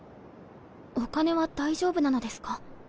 お金は大丈夫なのですか？